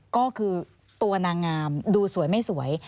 ก็คือตัวนางงามดูสวยไม่สวย